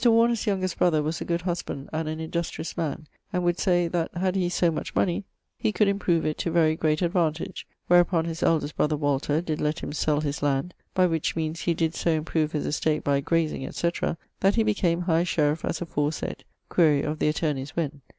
Warner's youngest brother was a good husband and an industrious man, and would say that had he so much money, he could improve it to very great advantage; wherupon his eldest brother (Walter) did lett him sell his land, by which meanes he did so improve his estate by graseing, etc. that he became High Sheriff as aforesaid (quaere of the attorneys when).